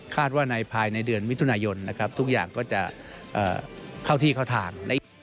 คาดว่าภายในเดือนวิทยุณยนต์ทุกอย่างก็จะเข้าที่เข้าทาง